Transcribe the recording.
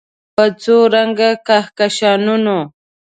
په څو رنګ کهکشانونه